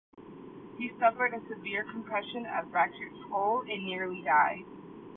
He suffered a severe concussion, a fractured skull, and nearly died.